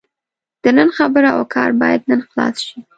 د نن خبره او کار باید نن خلاص شي.